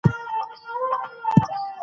آزاد شعر ځینې وختونه اوږد او ټوټې ټوټې وي.